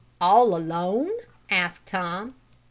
"All alone?" asked Tom.